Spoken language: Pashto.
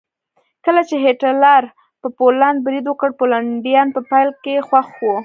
کله چې هېټلر په پولنډ برید وکړ پولنډیان په پیل کې خوښ وو